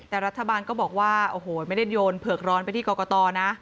แต่รัฐบาลก็บอกว่าโอ้โหไม่ได้โยนเผือกร้อนไปที่กรกตนะ